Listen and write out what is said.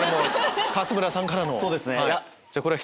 勝村さんからの。